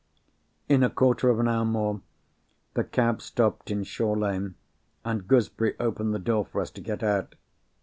In a quarter of an hour more, the cab stopped in Shore Lane, and Gooseberry opened the door for us to get out.